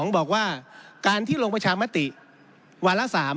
บอกว่าการที่ลงประชามติวาระ๓